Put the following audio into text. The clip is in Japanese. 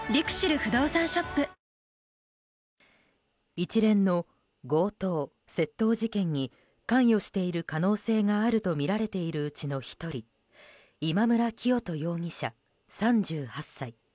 一連の強盗・窃盗事件に関与している可能性があるとみられているうちの１人今村磨人容疑者、３８歳。